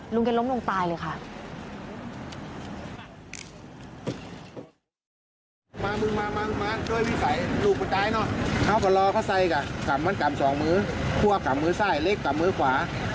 ลุงจะล้มลงตายเลยค่ะ